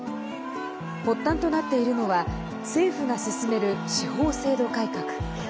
発端となっているのは政府が進める司法制度改革。